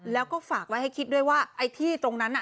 แล้วก็ฝากไว้ให้คิดด้วยว่าไอ้ที่ตรงนั้นน่ะ